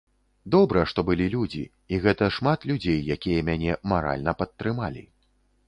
Добра, што былі людзі, і гэта шмат людзей, якія мяне маральна падтрымалі.